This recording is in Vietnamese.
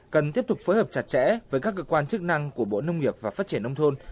cần tiếp tục phối hợp chặt chẽ với các cơ quan chức năng của bộ nông nghiệp và phát triển nông thôn